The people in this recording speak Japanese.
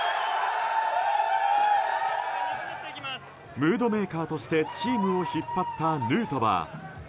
ムードメーカーとしてチームを引っ張ったヌートバー。